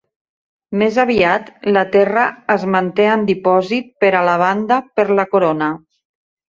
Més aviat, la terra es manté en dipòsit per a la banda per la Corona.